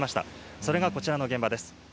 それがこちらの現場です。